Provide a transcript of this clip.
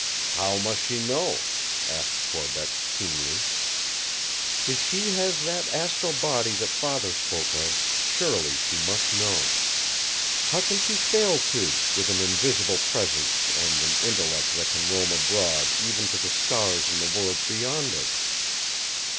"How must she know?" asked Corbeck keenly. "If she has that astral body that Father spoke of, surely she must know! How can she fail to, with an invisible presence and an intellect that can roam abroad even to the stars and the worlds beyond us!"